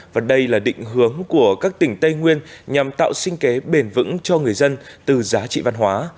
và đây là định hướng của các tỉnh tây nguyên nhằm tạo sinh kế bền vững cho người dân từ giá trị văn hóa